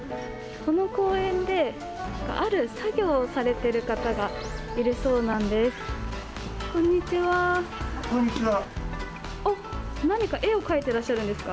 この公園である作業をされている方がいるそうなんです。